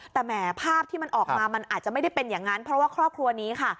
แต่แหมภาพที่มันออกมามันอาจจะไม่ได้เป็นอย่างนั้นเพราะว่าครอบครัวนี้ค่ะ